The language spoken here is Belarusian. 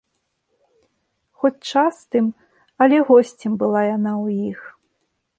Хоць частым, але госцем была яна ў іх.